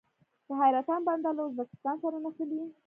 د حیرتان بندر له ازبکستان سره نښلي